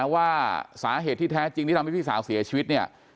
ว่าสาเหตุที่แท้จริงที่ทำให้พี่สาวเสียชีวิตเนี่ย